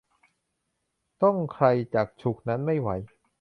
ต้องใครจักฉุกนั้นไม่ไหว